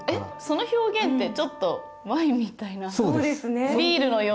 その表現ってちょっとワインみたいなビールのような。